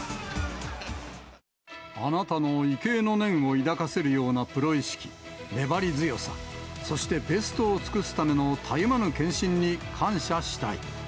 あなたの畏敬の念を抱かせるようなプロ意識、粘り強さ、そしてベストを尽くすためのたゆまぬ献身に感謝したい。